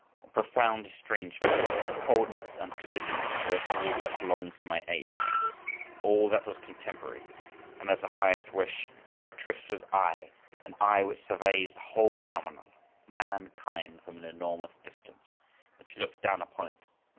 —A profound estrangement, coldness and soberness towards all that belongs to my age, all that was contemporary: and as the highest wish, Zarathustra's eye, an eye which surveys the whole phenomenon—mankind—from an enormous distance,—which looks down upon it.